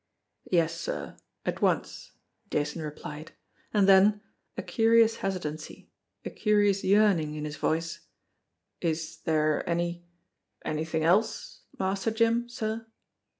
"Yes, sir ; at once," Jason replied ; and then, a curious hesi tancy, a curious yearning, in his voice: "Is there any any thing else, Master Jim, sir?"